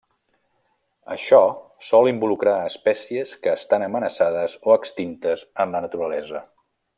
Això sol involucrar espècies que estan amenaçades o extintes en la naturalesa.